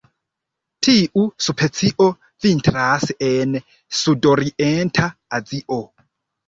Tiu specio vintras en sudorienta Azio.